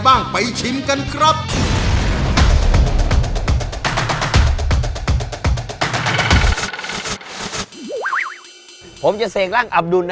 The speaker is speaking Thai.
ไม่รู้